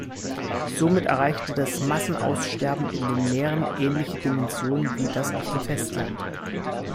Somit erreichte das Massenaussterben in den Meeren ähnliche Dimensionen wie das auf dem Festland.